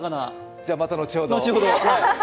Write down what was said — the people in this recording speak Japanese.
じゃ、また後ほど。